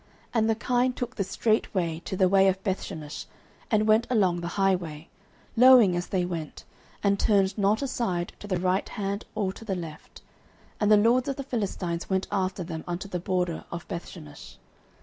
09:006:012 And the kine took the straight way to the way of Bethshemesh, and went along the highway, lowing as they went, and turned not aside to the right hand or to the left; and the lords of the Philistines went after them unto the border of Bethshemesh.